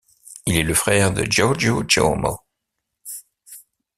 Il est le frère de Giorgio Giomo.